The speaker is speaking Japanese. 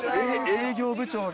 営業部長が。